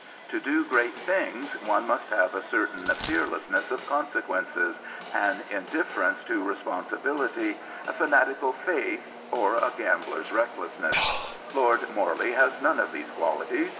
To do great things one must have a certain fearlessness 148 Lord Morley of Blackburn of consequences, an indifference to responsibility, a fanatical faith, or the gambler's recklessness. Lord Morley has none of these qualities.